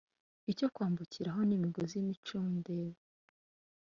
Icyo kwambukiraho nimigozi yimicundebo